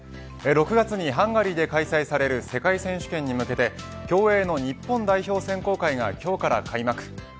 ６月にハンガリーで開催される世界選手権に向けて競泳の日本代表選考会が今日から開幕。